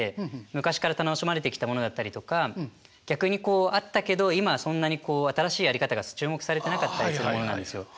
昔から楽しまれてきたものだったりとか逆にこうあったけど今はそんなに新しいやり方が注目されてなかったりするものなんですよ。